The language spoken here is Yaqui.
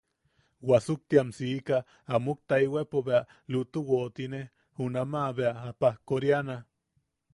Wasuktiam sika, a muktaewaipo bea lutu woʼotine, junamaʼa bea pajkoriana.